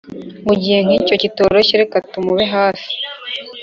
mu gihe nkicyo cyitoroshye reka tumube hafi